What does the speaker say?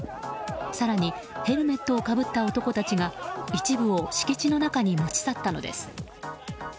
更にヘルメットをかぶった男たちが一部を敷地の中に持ち去ったのです。